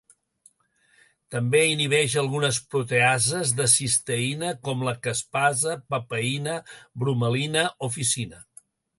També inhibeix algunes proteases de cisteïna com la caspasa, papaïna, bromelina o ficina.